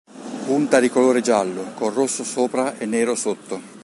Punta di colore giallo, con rosso sopra e nero sotto.